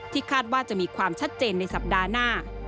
คาดว่าจะมีความชัดเจนในสัปดาห์หน้า